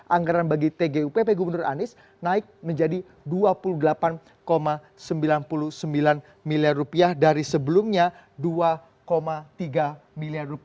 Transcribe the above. anggaran bagi tgupp gubernur anies naik menjadi rp dua puluh delapan sembilan puluh sembilan miliar dari sebelumnya rp dua tiga miliar